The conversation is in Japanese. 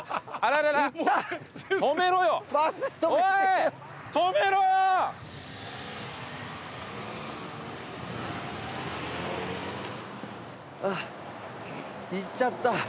ああ行っちゃった。